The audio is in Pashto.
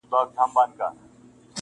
له مرغکیو به وي هیري مورنۍ سندري-